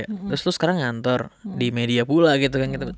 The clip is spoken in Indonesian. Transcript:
terus lo sekarang ngantor di media pula gitu kan